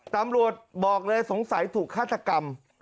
ตำรวจบอกเลยสงสัยถูกฆาตกรรม